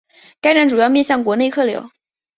该站主要面向国内客流。